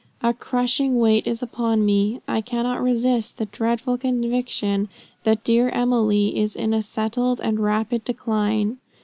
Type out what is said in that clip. A crushing weight is upon me. I cannot resist the dreadful conviction that dear Emily is in a settled and rapid decline."